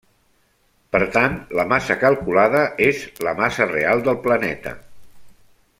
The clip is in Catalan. Per tant, la massa calculada és la massa real del planeta.